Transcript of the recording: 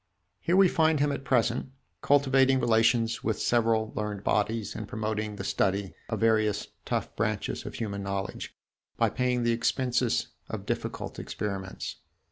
Here we find him at present, cultivating relations with several learned bodies and promoting the study of various tough branches of human knowledge, by paying the expenses of difficult experiments.